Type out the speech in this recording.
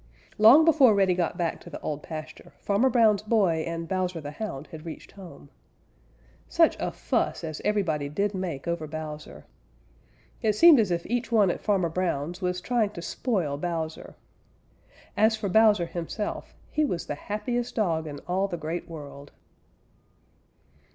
Long before Reddy got back to the Old Pasture Farmer Brown's boy and Bowser the Hound had reached home. Such a fuss as everybody did make over Bowser. It seemed as if each one at Farmer Brown's was trying to spoil Bowser. As for Bowser himself, he was the happiest dog in all the Great World.